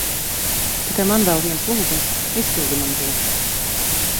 Tikai man vēl viens lūgums. Izpildi man to.